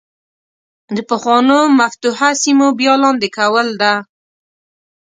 د پخوانو مفتوحه سیمو بیا لاندې کول ده.